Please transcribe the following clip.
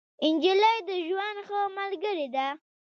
نجلۍ د ژوند ښه ملګرې ده.